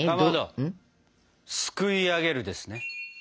すくいあげるですね。